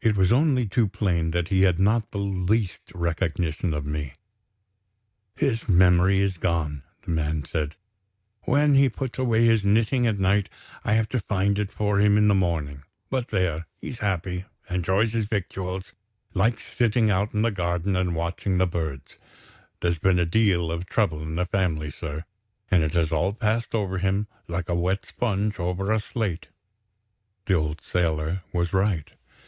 It was only too plain that he had not the least recollection of me. "His memory is gone," the man said. "When he puts away his knitting, at night, I have to find it for him in the morning. But, there! he's happy enjoys his victuals, likes sitting out in the garden and watching the birds. There's been a deal of trouble in the family, sir; and it has all passed over him like a wet sponge over a slate." The old sailor was right.